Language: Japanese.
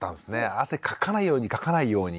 汗かかないようにかかないように。